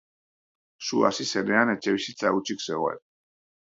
Sua hasi zenean etxebizitza hutsik zegoen.